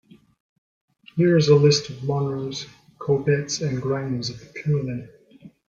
Here is a list of Munros, Corbetts and Grahams of the Cuillin.